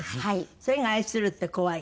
それが『愛するってこわい』？